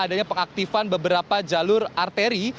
adanya pengaktifan beberapa jalur arteri